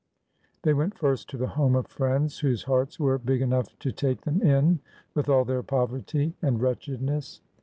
They went first to the home of friends whose hearts were big enough to take them in with all their poverty and wretchedness.